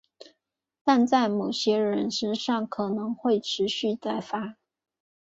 但在某些人身上可能会持续再发。